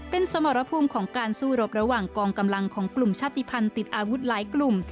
เป็นสมรภูมิของการสู้รบระหว่างกองกำลังของกลุ่มชาติภัณฑ์ติดอาวุธหลายกลุ่ม